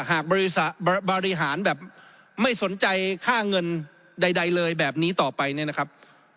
หากบริหารแบบไม่สนใจค่าเงินใดเลยแบบนี้ต่อไปเนี่ยนะครับ